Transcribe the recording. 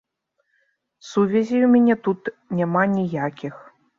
Сувязей у мяне тут няма ніякіх.